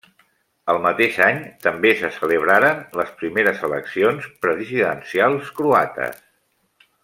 El mateix any també se celebraren les primeres eleccions presidencials croates.